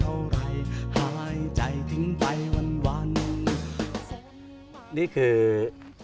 ผมก็มีธุรกิจเรื่องของอพาร์ทเม้นอยู่ที่กรุงเทพ